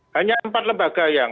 hanya empat lembaga yang